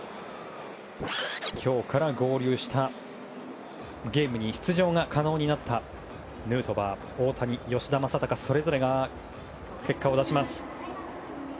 今日からゲームに出場が可能になったヌートバー、大谷、吉田正尚それぞれが結果を出します。